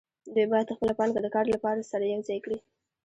دوی باید خپله پانګه د کار لپاره سره یوځای کړي